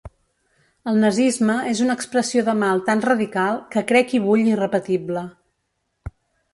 El nazisme és una expressió de mal tan radical que crec i vull irrepetible.